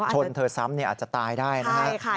เธอซ้ำอาจจะตายได้นะครับ